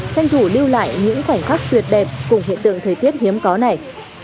tranh thủ lưu lại những khoảnh khắc tuyệt đẹp cùng hiện tượng thời tiết hiếm có này